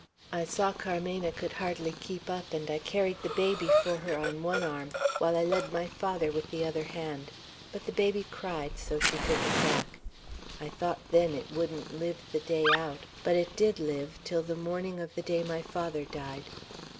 I saw Carmena could hardly keep up, and I carried the baby for her on one arm, while I led my father with the other hand; but the baby cried, so she took it back. I thought then it wouldn't live the day out; but it did live till the morning of the day my father died.